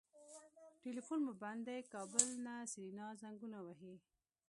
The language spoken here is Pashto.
ټليفون مو بند دی کابل نه سېرېنا زنګونه وهي.